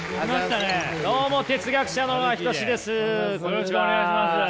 よろしくお願いします。